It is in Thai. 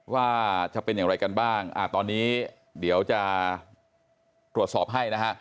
ว่าจะเป็นอย่างไรกันบ้างอ่าตอนนี้เดี๋ยวจะตรวจสอบให้นะฮะ